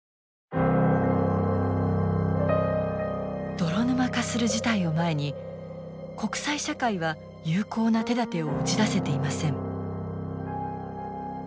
泥沼化する事態を前に国際社会は有効な手だてを打ち出せていません。